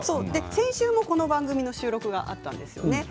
先週もこの番組の収録があったんですね。